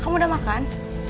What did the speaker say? kamu udah makan